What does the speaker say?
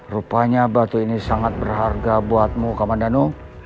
rupanya batu ini sangat berharga buatmu kamandano